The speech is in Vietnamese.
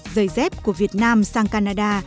dây dép của việt nam sang canada